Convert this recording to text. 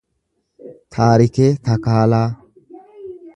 Taarikee Takaalaa